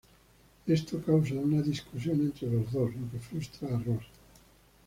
Esto causa una discusión entre los dos lo que frustra a Ross.